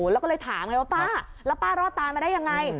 แล้วก็เลยถามไงว่าป้าแล้วป้ารอดตายมาได้ยังไง